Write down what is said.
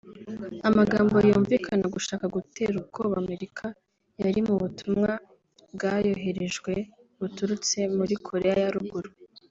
Amagambo yumvikanamo gushaka gutera ubwoba Amerika yari mu butumwa bwayohererejwe buturutse muri Koreya ya Ruguru